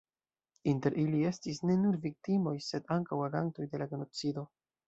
Inter ili estis ne nur viktimoj, sed ankaŭ agantoj de la genocido.